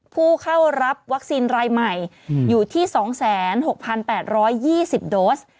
ผู้เข้ารับวัคซีนรายใหม่อยู่ที่๒๖๘๒๐โดส